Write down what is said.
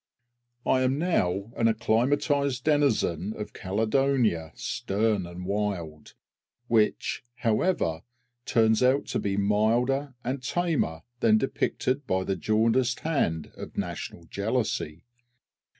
_ I am now an acclimatised denizen of Caledonia stern and wild; which, however, turns out to be milder and tamer than depicted by the jaundiced hand of national jealousy.